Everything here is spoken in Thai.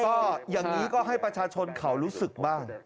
ก็อย่างนี้ก็ให้ประชาชนเขารู้สึกบ้าง